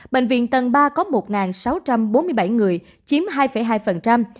bệnh viện tầng ba có một sáu trăm bốn mươi bảy người chiếm hai hai